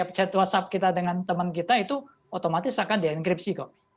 website whatsapp kita dengan teman kita itu otomatis akan dienkripsi kok